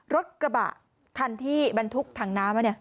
รถกระบะท่านที่บรรทุกถังน้ำ